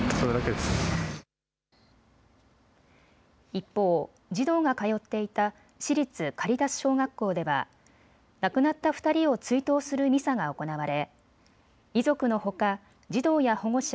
一方、児童が通っていた私立カリタス小学校では亡くなった２人を追悼するミサが行われ遺族のほか児童や保護者